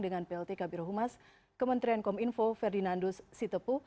dengan plt kabiro humas kementerian kominfo ferdinandus sitepu